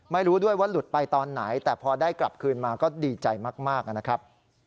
ไม่รู้ด้วยว่าหลุดไปตอนไหนแต่พอได้กลับคืนมาก็ดีใจมากนะครับ